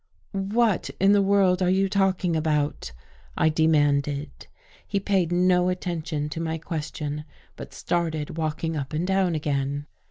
"What In the world are you talking about?" I demanded. He paid no attention to my question, but started walking up and down again.